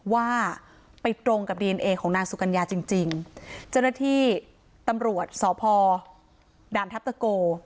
ว่าไปตรงกับดีเอนเอของนางสุกัญญาจริงจริงเจ้าหน้าที่ตำรวจสพด่านทัพตะโก